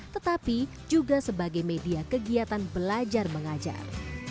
tetapi juga sebagai media kegiatan belajar mengajar